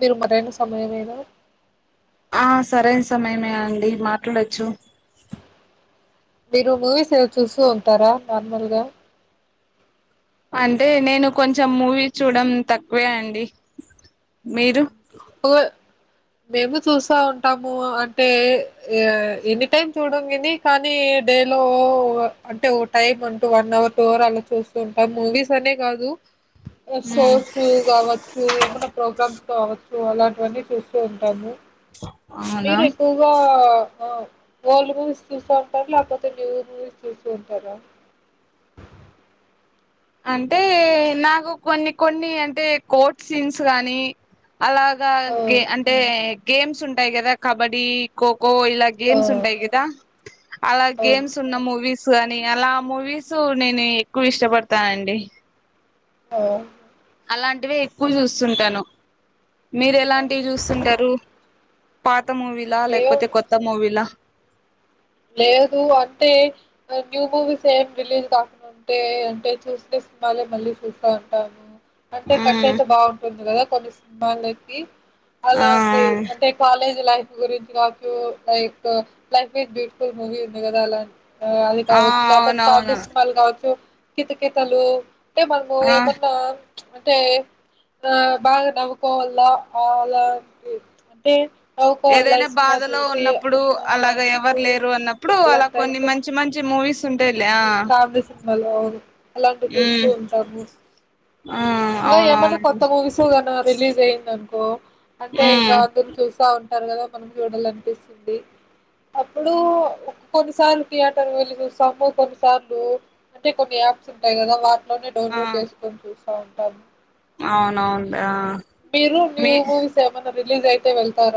మీరు మరైన సమయమేనా ఆ సరైన సమయమే అండి మాట్లాడొచ్చు మీరు మూవీస్ ఏదో చూస్తూ ఉంటారా నార్మల్ గా అంటే నేను కొంచెం మూవీ చూడం తక్కువే అండి మీరు ఓ మేము చూస్సా ఉంటాము అంటే ఎ ఎ ఎనీ టైమ్ చూడంగాని కానీ డేలో ఒ అంటే ఓ టైమ్ అంటూ వన్ అవర్ టూ అవర్ అలా చూస్తూ ఉంటాం మూవీస్ అనే గాదు అ ఉమ్ షోస్ గావచ్చు ఏమైనా ప్రోగ్రామ్స్ కావ సో అలాంటివన్నీ చూస్తూ ఉంటాము అవునా మీరు ఎక్కువగా ఆవ్ ఓల్డ్ మూవీస్ చూస్త ఉంటార లేకపోతే న్యూ మూవీస్ చూస్తూ ఉంటార అంటే నాకు కొన్ని కొన్ని అంటే కోట్ సీన్స్ గానీ అలాగ ఆ గె అంటే గేమ్స్ ఉంటయి కదా కబడ్డీ ఖోఖ కో ఇలా ఆ గేమ్స్ ఉంటాయి కదా అలా అవును గేమ్స్ ఉన్న మూవీస్ స్ గానీ అలా మూవీస్ నేను ఎక్కువ ఇష్టపడత తా అండి ఓయ్ అలాంటివి ఎక్కువ చూస్తుంటాను మీరు ఎలాంటివి చూస్తుంటారు పా కొత్త మూవీల మేము లేకపోతే కొత్త మూవీలా లేదు అంటే న్యూ మూవీస్ ఏం రిలీజ్ కాకుండా ఉంటే అంటే చూస్తే సినిమాలే మళ్ళీ చూస్తా ఉంటామ్ అంటె మ్మ్ కంటెంట్ బాగుంటుంది కదా కొన్ని వాళ్ళకి ఆ అలాంటి అంటే కాలేజ్ లైఫ్ గురించి కావచ్చు like life is beautiful movie ఉంది కదా అలాం ఆ అది ఆ కావచ్చు లేకపోతే అవునవును కాఫీస్ కాల్ కావచ్చు కితకితలు అంటె మనము ఆ ఏమన్నా అంటే ఆ బాగా నవ్వుకోవాలా అలాంటి అంటే నవ్వుకోవాల ఏదైన ఈ సినిమా బాధలో చూసి ఉన్నప్పుడు ఆ అలాగ ఎవరు ఇప్పుడు లేరు అన్నప్పుడు ఇప్పుడు అలా అలాంటి కొన్ని టైంలో మంచి మంచి మూ మువీస్ కామెడీ సినిమాలు అలాంటివి మ్మ్ చూస్తూ ఉంటాము ఆ ఇంకా ఏమన్నా అవునవును కొత్త మూవీస్ గాన రిలీజ్ అయిందనుకో అంటే ఇంకా మ్మ్ అందరు చూస్తా ఉంటారు కదా మనం చూడాలనిపిస్తుంది అప్పుడు కొన్నిసార్లు థియేటర్ వెళ్ళి చూస్తాము కొన్నిసార్లు అంటే కొన్ని యాప్స్ ఉంటాయి కదా వా లోనే డౌన్లోడ్ చేసుకొని చూ బ ట అవునవునులే ఆ మీరు న్యూ మీ మూవీస్ ఏమన్న రిలీజ్ అయితే వెళ్తార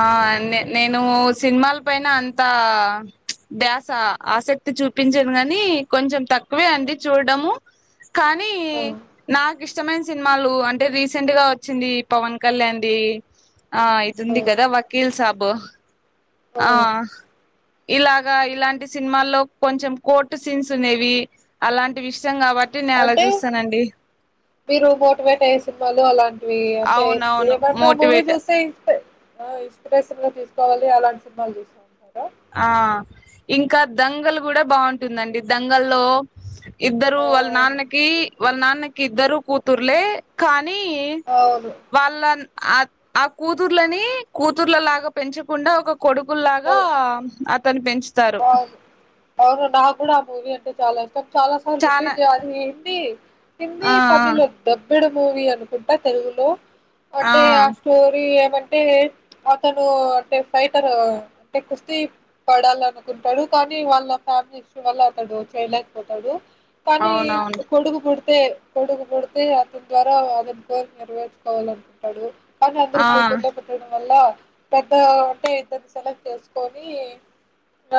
ఆ నె నేను సినిమాల పైన అంత ద్యాస ఆసక్తి చూపించను కాని కొంచెం తక్కువే అండి చూడడము కానీ ఆ నాక్ ఇష్టమైన సినిమాలు అంటే రీసెంట్ గా వచ్చింది పవన్ కళ్యాణ్ ది ఆ ఆ తుంది కదా వకీల్ సాబు ఆ ఆహ్ ఇలాగా ఇలాంటి సినిమాల్లో కొంచెం కోర్టు సీన్స్ ఉనేవి, అలాంటి విషయం కాబట్టి నేలా అంటే చూస్తానండి. మీరు మోటివేట్ అయ్యే సినిమాలు అలా. మీ అంటే అవునవును ఏమన్నా మూవీ మోటివేట్ చూస్తే ఇంతే. బాగా ఇన్స్పిరేషన్ గా తీసుకోవాలి అలాంటి సినిమాలు చూసి అంటున్నారా. ఆ ఇంకా దంగలు కూడ బాగుంటుందండి. దంగల్లో ఇద్దరు ఆ వాళ్ళ నాన్నకి వాళ్ళ నాన్. కిద్దరు కూతుర్లే కాన్ నీ అవును వాళ్ళన్ ఆ ఆ కూతుర్లని, కూతుర్లలాగా పెంచకుండా ఒక కొడుకుల్లాగ అతను పెంచ్. ఆవ్, అవును నాగ్గుడా ఆ మూవీ అంటే చాల ఇష్టం. చాలాసార్లు చానా రిపీట్ చేయాలి, హిందీ హిందీ ఆ తమిళు. బిడు మూవీ అనుకుంటా తెలుగులో. అంటే ఆ స్టోరి అంటే అతను, అంటే ఫైటర్ అంటే కుస్తీ పడాలను ఉంటాడు కానీ వాళ్ళ ఫ్యామిలీ ఇష్యూ వల్ల అతడు చేయలేకపోతాడు. ఆ కానీ అవునవును కొడుకు కుడ్ తే కొడుకు పుడితే, అతని ద్వారా అతని కోరిక నెరవేర్చుకోవాల అనుకుంటాడు. కనీ అందరు ఆ కూతుర్లే పుట్టడం వల్ల. పెద్దా ఉంటే ఇద్దర్నీ సెలెక్ట్ చేసుకొని.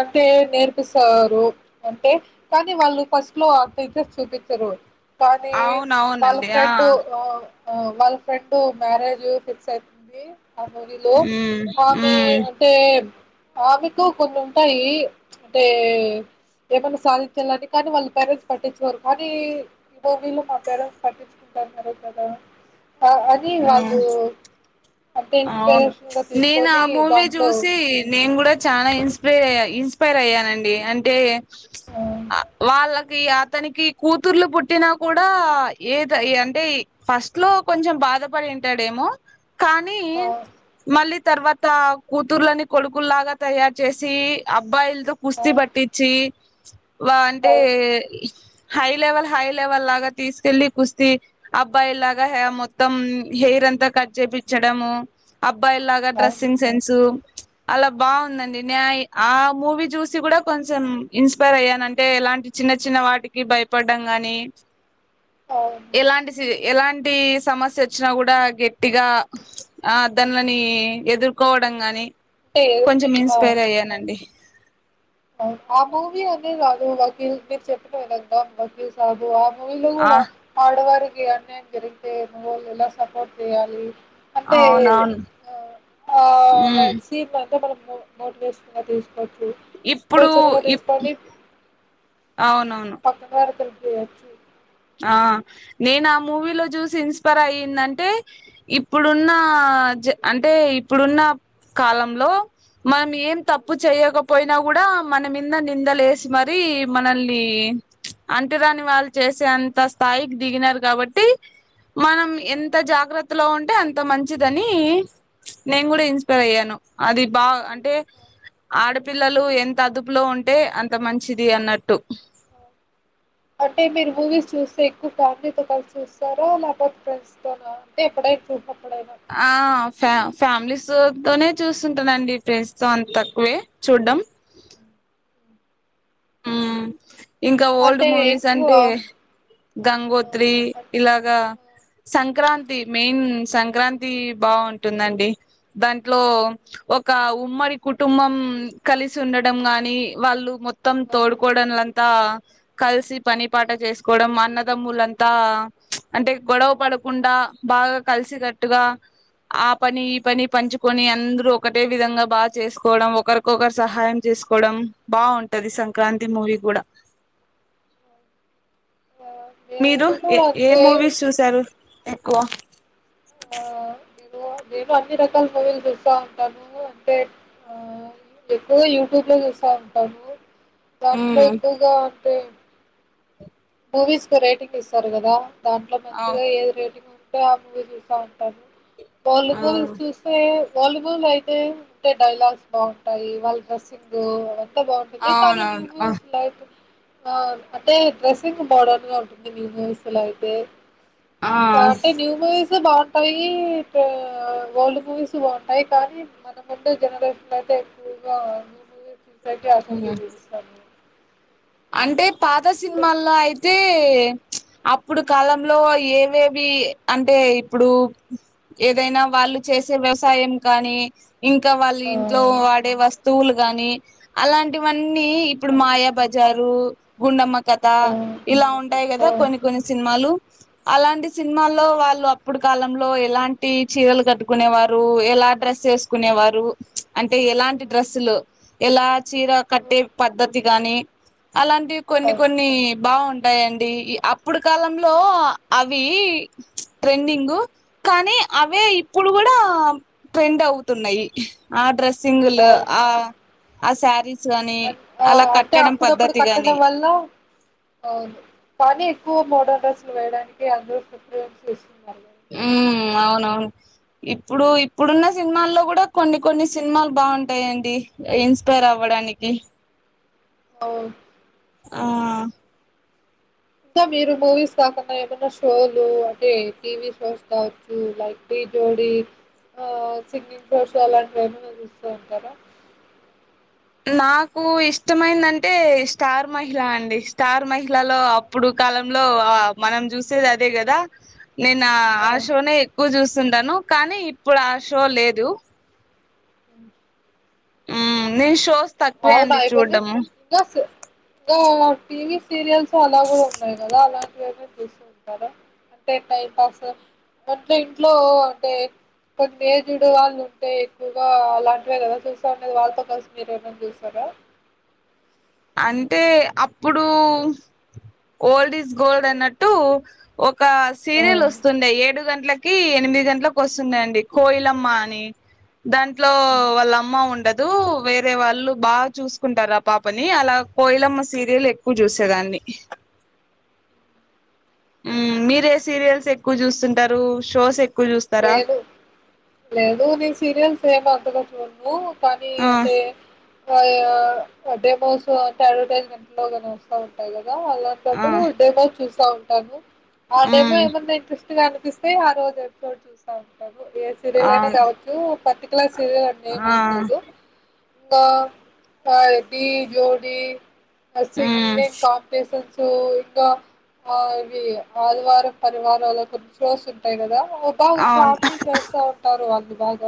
అంటే నేర్పిస్తారు అంటే కానీ వాళ్ళు ఫస్ట్ లో అంత ఇంట్రెస్ట్ చూపించరు. కానీ వాళ్ళ అవునవునండి ఆ ఫ్రెండు ఆ. ఆ వాళ్ళ ఫ్రెండు మ్యారేజు ఫిక్స్ అయితుంది. ఆ మూవీలో ఉమ్ ఆమె ఉమ్ అంటే. ఆమికు కొంచం. టాయి అంటే ఏమైన్నా సాధించాలని, కానీ వాళ్ళ పేరెంట్స్ పట్టించ్చుకోరు, కానీ ఈ మూవీలో మాత్రం పట్టించుకుంటారు మరే కదా. అ అది వాళ్ళు. ఉమ్ అంటే అవును ఇన్స్పిరేషన్ గా నేను ఆ తీసుకొని మూవీ దాంట్లో చూసి, నేను గుడ చాలా ఇన్స్పై అయ్య ఇన్స్పైర్ అయ్యానండి. అంటే ఆ అ వాళ్ళకి అతనికి కూతుర్లు పుట్టినా కూడా, ఏద అంటే ఫస్ట్ లో కొంచెం బాధపడింటాడేమో కానీ. ఆ మళ్ళీ తర్వాత కూతుర్లని కొడుకుల్లాగా తయారు చేసి అబ్బాయిలు. కుస్తి ఆ బట్టించి. [inaudible] వా అంటే అవును హై లెవెల్ హై లెవెల్ లాగా తీసుకెళ్ళి కుస్తీ అబ్బాయిల్లాగా హే మొత్తం హెయిర్ అంతా కట్ చేపి చడము అప్ బ్బాయిల్లాగా అవును డ్రెస్సింగ్ సెన్సు. అలా బావుందండి నే ఆ మూవీ చూసి కూడా కొంచెం ఇన్స్పైర్ అయ్యాను అంటే ఎలాంటి చిన్న చిన్న వాటికి భయపడ్డం గాని. అవును. ఎలాంటి సిరి ఎలాంటి సమస్యొచ్చినా కూడా గట్టిగా ఆ దాన్లని ఎదుర్కోవడం గాని. అంటే కొంచెం ఆ! ఇన్స్పైర్ అయ్యానండి ఆ మూవీ అన్ని రాదు వకీల్ మీరు చెప్పిన విధంగా వకీల్ సాబు ఆ వీళ్ళు ఆ కూడా ఆడవారి అన్యాయం జరిగితే నువ్వు వెళ్ళి ఎలా సపోర్ట్ చేయాలి అంటే అవునవును ఆ ఉమ్ మేం సీ [inaudible] అంటే మనం మో మోటివేషన్గా తీసుకోవచ్చు ఇప్పుడు ఇన్స్పిరేషన్ గా ఇప్ అవును పక్కగారి పిల్ చూడచ్చు ఆ నేనా మూవీలో చూసి ఇన్స్పైర్ అయ్యిందంటే ఇప్పుడున్న జన్ అంటే ఇప్పుడున్న కాలంలో మనం ఏం తప్పు చేయ్యక పోయినా కూడా మన మింద నిందలేసి మరి మనల్ని అంటరాని వాళ్ళు చేస్ సే అంత స్థాయికి దిగినారు కాబట్టి మనం ఎంత జాగ్రత్తలో ఉంటే అంత మంచిదని నేను కూడా ఇన్స్పైర్ అయ్యాను అది బా అంటే ఆడపిల్లలు ఎంత అదుపులో ఉంటే అంత మంచిది అన్నట్టు అంటే మీరు మూవీస్ చూస్తే ఎక్కువ ఫ్యామిలీతో కలిసి చూస్తారా లేకపోతే ఫ్రెండ్స్ తోనా అంటే ఎప్పుడైనా చూ [inaudible] ఆ ఫ్యా ఫ్యామిలీస్ తో తోనే చూస్తుంటానండి ఫ్రెండ్స్ తో అంత తక్కువే చూడ్డం ఉమ్ ఇంకా ఓల్డ్ అంటే మూవీస్ ఎక్కువ అంటే ఆ గంగోత్రి ఆ ఆ ఇలాగా సంక్రాంతి మెయిన్ సంక్రాంతి బావుంటుందండి దాంట్లో ఒక ఉమ్మడి కుటుంబం కలిసి ఉండడం గాని వాళ్ళు మొ త్తం ఆ తోడుకోడండ్లంతా కలిసి పని పాట చేసుకోవడం అన్నదమ్ములంతా అంటే గొడవ పడకుండా బాగా కలిసి కట్టుగా ఆ పని ఈ పని పంచుకొని అందరూ ఒకటే విధంగా బా చేసుకోవడం ఒకరికొకరు సహాయం చేసుకోవడం బావుం టది సంక్రాంతి మూవీ కూడా ఆ మీరు నేను ఏ కూడా ఏ అంతే మూవీస్ చూశారు ఎక్కువ ఆ నేను నేను అన్ని రకాల మూవీలు చూస్తూ ఉంటాను నువ్వు పేట్ ఆ [inaudible] ఎక్కువ యూట్యూబ్ లో చూస్తా ఉంటావ నువ్వు దాంట్లో ఎక్కువగా అంటే మూవీస్ కు రేటింగ్ ఇస్తారు కదా దాంట్లో మంచిగా ఏది రేటింగ్ ఉం ఆ మూవీ చూసే ఉంటారు వాలీబాల్ చూస్తే వాలీబల్ అయితే ఉంటే డైలాగ్స్ బాగుంటాయి వాళ్ళ డ్రెస్సింగ్ ఎంత బాగుంటుంది కాని నువ్వు అవునవును స్లాడ్ [inaudible] ఆ అటే డ్రెస్సింగ్ మోడర్న్ గ ఉంటుంది యూనివర్సులో అయితే ఆ అంటే న్యూ ముూవీస్ బాగ్ పైటూ ఓల్డ్ మూవీస్ బాగుంటాయి కానీ మనముండే జనరేషన్ లో అయితే ఎక్కువగా న్య మూవీ పెద్ది ఆశ అక్క పిలుసతది అంటే పాత సినిమాల్లో అయితే అప్పుడు కాలంలో ఏవేవి అంటే ఇప్పుడు ఏదైన వాళ్ళు చేసే వ్యవసాయం కానీ ఇంకా వాళ్ళ ఆ ఇంట్లో వాడే వస్తువులు గానీ అలాంటి మన అవన్నీ ఇప్పుడు అవును. మాయాబాజ జారు గుండమ్మ కథ ఆ ఇలా ఉంటాయి కద ఆ కొన్ని కొన్ని సినిమాలు అలాంటి సినిమాల్లో వాళ్ళు అప్పుడు కాలంలో ఎలాంటి చీరలు కట్టుకునేవారు ఎలా డ్రస్ వేసుకునేవారు అంటే ఎలాంటి డ్రెస్సులు ఎలా చీర కట్టే పద్ధతి గానీ అలాంటివీ ఆ కొన్ని కొన్ని బావున్ ఉంటాయండి అప్పుడు కాలంలో అవి ప్చ్ ట్రెండింగ్ కానీ అవే ఇప్పుడు కూడ ట్రెండ్ అవుతున్నాయి ఆడ్రెస్ సింగులు ఆ ఆ శారీస్ గాని అన్- ఆ అల అంటే కట్టడం అప్పుడప్పుడు పద్ధతి గాని కట్టడం వల్ల అవును పని ఎక్కువ మోడరన్ డ్రెస్సులు వేయడానికి అందరూ ప్రిఫరెన్స్ ఇస్తున్నారు కదండి. హే అవునవును ఇప్పుడు ఇప్పుడున్న సినిమాల్లో కూడా కొన్ని కొన్ని సినిమాలు బాగుంటాయండి ఇన్స్పైర్ అవ్వడానికి ఓ ఆ ఇంకా మీరు మూవీస్ కాకుండా ఏమైన్నా షోలు అంటే టీవీ షోస్ కావచ్చు లైక్ టీ జోడీ సింగింగ్ షోస్ అలాంటివి ఏమైనా చూస్తూ ఉంటారా నాకు ఇష్టమైందంటే స్టార్ మహిళ అండి స్టార్ మహిళలో అప్పుడు కాలంలో మనం చూసేది అదే కదా నేను నా ఆ ఆశోనే ఎక్కువ చూస్త చూస్తుంటాంనూ కానీప్పుడు ఇప్పుడు ఆ షో లేదు అ హమ్ నేను షోస్ తక్కువే అవునా అండి అయిపోయింది చూడ్డము వికాస్ ఓ టీవి సీరియల్స్ ఎలాగా ఉన్నాయి కదా అలాని ఏమీ చూస్త ఉంటారు అంటే టైం పాస్ అంటే ఇంట్లో అంటే కొన్ని ఏజ్డ్ వాళ్ళు ఉంటే ఎక్కువగా అలాంటివే కదా చూస్తా ఉనేది వాళ్ళతో కలిసి మీరు చూసాతారా అంటే అప్పుడు ఓల్డ్ ఇస్ గోల్డ్ అన్నట్టు ఒక ఆ సీరియల్ వస్తుండే ఏడు గట్లకి కి ఎనిమిది గంటలలకు వస్తుందిండి కోయిలమ్మ అని దాంట్లో ఉమ్. వాళ్ళమ్మ ఉండదు వేరే వాళ్ళు బాగా చూసుకుంటారు ఆ పాపని అలా కోయిలమ్మ సీరియల్ ఎక్కువ చూసేదాన్ని మీరే సీరియల్స్ ఎక్కువ చూస్తుంటారు షోస్ ఎక్కువ చూస్తారా లేదు లేదు నీ సీరియల్ ఫేమా చూడను పనీ ఆ అంటే డే మోస్ట్ మొత్తం అడ్వర్టజమెంట్లో వస్తా ఉంటాయి గద ఆ అలాంటప్పుడు డే వైస్ చూస్తా టబు ఆ టైమ్ మ్మ్ ఏమంది అనిపిస్తూ అనిపిస్తే ఆ రోజు కొట్టి సంపుతారు ఏ సీరియల్ అయినా అవును కావచ్చు పతి క్లాస్ సరే [unintelligible] ఆ ఏం లేదు కాయిటి జోడీ మ్మ్ సింగింగ్ కాంపిటీషన్ సో ఇంగ అవి ఆదివార పరివారాలు గురించి రాసుంటాయి కదా. పోదాం అవును షాపింగ్ చేస్త ఉంటారు వాళ్ళు. బాగ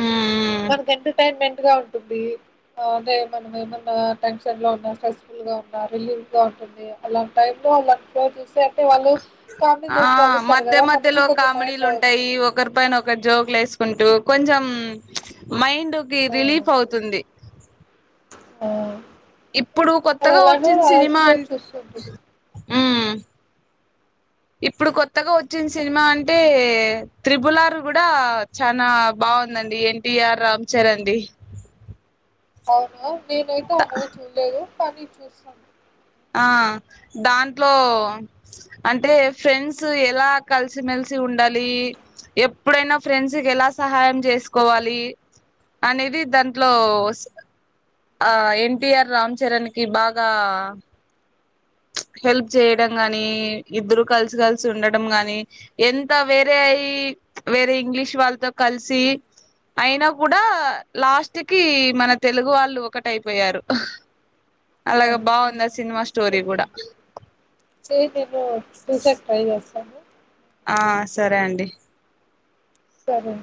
మ్మ్ మనక్ ఎంటర్టైన్మెంట్ ట్ గా ఉంటుంది మన ఏమన్నా టెన్షన్ లో ఉన్న స్ట్రెస్ఫుల్ గా ఉన్న రిలీఫ్ గ ఉంటుంది అలాంటి టైంలో ఇలా అలాంటి వాళ్ళు కామెడీ ఆ చేసి నవ్విస్తారు మధ్య కదా మనకు. మధ్యలో కొంచెం మైండ్ కామెడీలు ఆ ఉంటాయి ఒకరి పైన ఒకరు జోక్లు వేసుకుంటు కొంచెం మైండ్. కి రిలీఫ్ అవుతుంది. ఆ. ఇప్పుడు కొత్తగా అలాంటి వచ్చింది అలాంటి సినిమా షో అన్ చూస్తుంటుంది ఇప్పుడు కొత్తగా వచ్చిన సినిమా అంటే త్రిబుల్ ఆర్ కూడా చనా బాగుందండి ఎన్టీఆర్ రామ్ చరణ్ ది. అవును. నేనైతే ఆ మూవీ చూడలేదు. కానీ చూస్తాం. ఆ దాంట్లో అంటే ఫ్రెండ్స్ ఎలా కలిసిమెలిసి ఉండాలి. ఎప్పుడైనా ఫ్రెండ్స్కి ఎలా సహాయం చేసుకోవాలి. అనేది దాంట్లో ఆ ఎన్టిఆర్ రామ్ చరణ్ కి బాగా హెల్ప్ చేయడం గాని, ఇద్దరు కలిసి కలిసి హ్మ్. ఉండడం గాని, ఎంత వేరే హ్మ్. అయి వేరే ఇంగ్లీష్ వాళ్ళతో, కలిసి అయినా కూడా లాస్ట్ కి మన తెలుగు వాళ్ళు ఒకటి అయిపోయారు. ఆ అలాగ బాగుందా సినిమాస్ స్టోరీల్ కూడ తే ఇపుడు తూ స అట్ట ఇపుడు ఆ సరే అండి. సరే